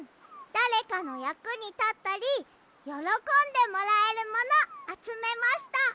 だれかのやくにたったりよろこんでもらえるものあつめました。